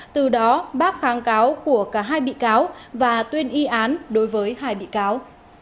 từ đó bác kháng cáo của cả hai bị cáo và tuyên y án đối với hai bị cáo